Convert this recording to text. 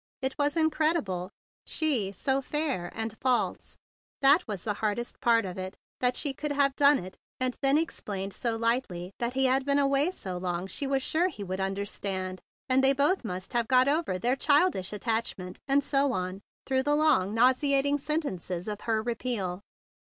It was incredible! She so fair! And false! After all those months of wait THE BIG BLUE SOLDIER 37 ing! That was the hardest part of it, that she could have done it, and then ex¬ plained so lightly that he had been away so long she was sure he would understand, and they both must have got over their childish attachment; and so on, through the long, nauseating sentences of her repeal.